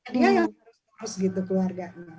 dia yang harus terus gitu keluarganya